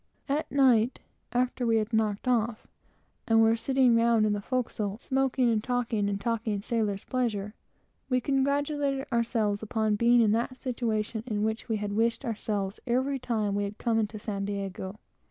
At night, after we had knocked off, and were sitting round in the forecastle, smoking and talking and taking sailor's pleasure, we congratulated ourselves upon being in that situation in which we had wished ourselves every time we had come into San Diego.